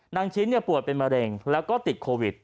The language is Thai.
นางชิ้นป่วยเป็นมะเร็งแล้วก็ติดโควิด